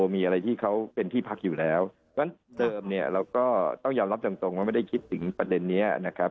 มีอะไรที่เขาเป็นที่พักอยู่แล้วเพราะฉะนั้นเดิมเนี่ยเราก็ต้องยอมรับตรงว่าไม่ได้คิดถึงประเด็นนี้นะครับ